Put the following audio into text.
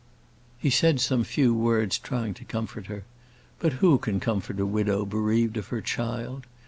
He said some few words trying to comfort her; but who can comfort a widow bereaved of her child?